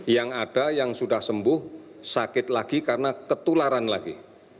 yang ada yang sudah sembuh sakit lagi karena ketularan lagi